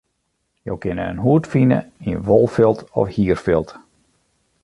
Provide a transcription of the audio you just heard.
Jo kinne in hoed fine yn wolfilt of hierfilt.